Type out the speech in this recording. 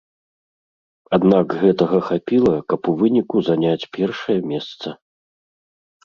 Аднак гэтага хапіла, каб у выніку заняць першае месца.